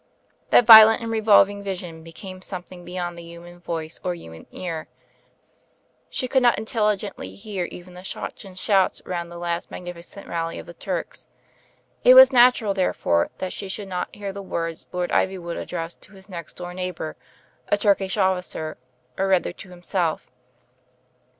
That violent and revolving vision became something beyond the human voice or human ear. She could not intelligently hear even the shots and shouts round Digitized by CjOOQI^ 320 THE FLYING INN the last magnificent rally of the Turks. It was natural, therefore, that she should not hear the words Lord Ivywood addressed to his next door neighbour, a Turk ish officer, or rather to himself.